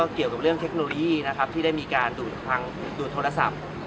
เกี่ยวกับเรื่องเทคโนโลยีที่ได้มีการดูดโทรศัพท์